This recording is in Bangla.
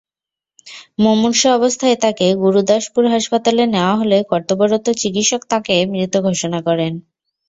মুমূর্ষু অবস্থায় তাঁকে গুরুদাসপুর হাসপাতালে নেওয়া হলে কর্তব্যরত চিকিৎসক তাঁকে মৃত ঘোষণা করেন।